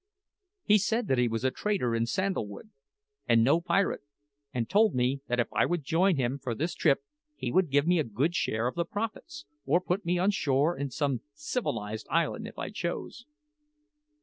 "He said that he was a trader in sandal wood, and no pirate, and told me that if I would join him for this trip he would give me a good share of the profits, or put me on shore in some civilised island if I chose."